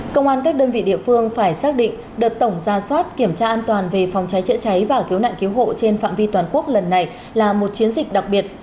công an các đơn vị địa phương phải xác định đợt tổng ra soát kiểm tra an toàn về phòng cháy chữa cháy và cứu nạn cứu hộ trên phạm vi toàn quốc lần này là một chiến dịch đặc biệt